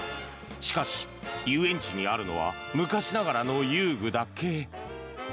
しかし、遊園地にあるのは昔ながらの遊具だけ。